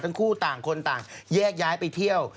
ทั้งคู่ต่างคนต่างแยกย้ายไปเที่ยว